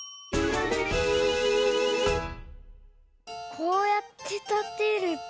こうやってたてると。